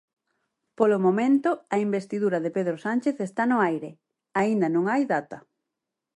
Polo momento, a investidura de Pedro Sánchez está no aire, aínda non hai data.